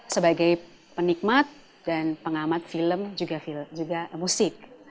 sebagai penikmat dan pengamat film juga musik